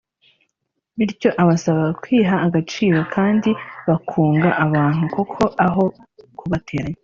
bityo abasaba kwiha agaciro kandi bakunga abantu koko aho kubateranya